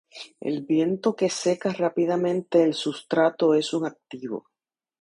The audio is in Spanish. El viento que seca rápidamente el sustrato es un activo.